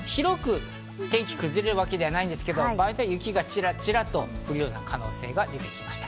広く天気が崩れるわけではないですが場合によっては雪がちらちらと降る可能性が出てきました。